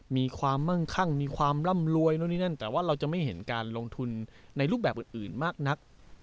มีความมั่งคั่งมีความร่ำรวยนู่นนี่นั่นแต่ว่าเราจะไม่เห็นการลงทุนในรูปแบบอื่นมากนัก